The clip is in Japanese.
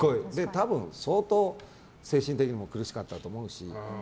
多分、相当精神的にも苦しかったと思うし。